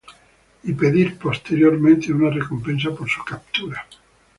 Y pedir posteriormente una recompensa por su captura.